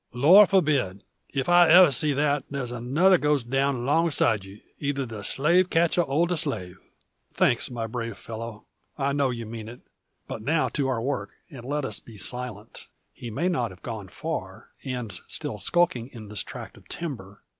"Lor forbid! If I ever see that, there's another goes down long side you; either the slave catcher or the slave." "Thanks, my brave fellow! I know you mean it. But now to our work; and let us be silent. He may not have gone far, and's still skulking in this tract of timber.